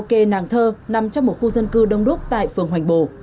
cơ sở karaoke nàng thơ nằm trong một khu dân cư đông đúc tại phường hoành bồ